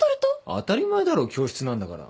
当たり前だろ教室なんだから。